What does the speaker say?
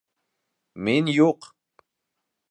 Мин юҡ.